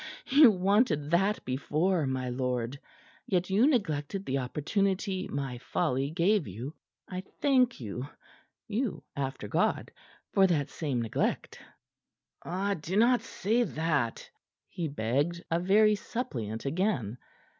"You wanted that before, my lord; yet you neglected the opportunity my folly gave you. I thank you you, after God for that same neglect." "Ah, do not say that!" he begged, a very suppliant again.